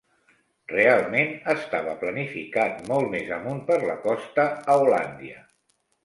Realment estava planificat molt més amunt per la costa, a Hollandia.